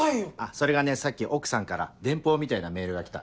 それがねさっき奥さんから電報みたいなメールが来た。